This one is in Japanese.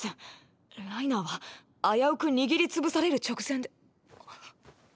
ライナーは危うく握り潰される直前でー！